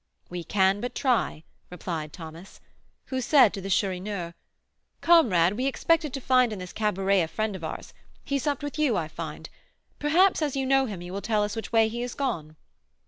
"We can but try," replied Thomas, who said to the Chourineur, "Comrade, we expected to find in this cabaret a friend of ours; he supped with you, I find. Perhaps, as you know him, you will tell us which way he has gone?"